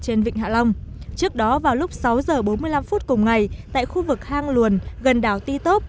trên vịnh hạ long trước đó vào lúc sáu h bốn mươi năm phút cùng ngày tại khu vực hang luồn gần đảo ti tốp